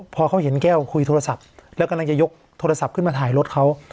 พอเขาเห็นแก้วคุยโทรศัพท์แล้วกำลังจะยกโทรศัพท์ขึ้นมาถ่ายรถเขา